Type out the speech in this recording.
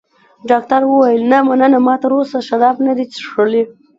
ډاکټر وویل: نه، مننه، ما تراوسه شراب نه دي څښلي.